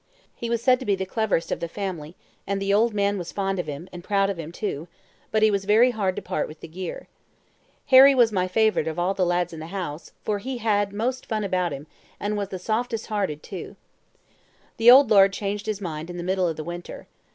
He was said to be the cleverest of the family, and the old man was fond of him, and proud of him too, but he was very hard to part with the gear. Harry was my favourite of all the lads in the house, for he had most fun about him, and was the softest hearted too. The old laird changed his mind in the middle of the winter.